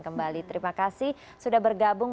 kembali terima kasih sudah bergabung